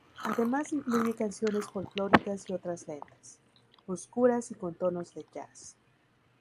Además incluye canciones folclóricas y otras lentas, oscuras y con tonos de jazz.